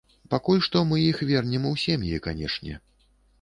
Пакуль што мы іх вернем у сем'і, канешне.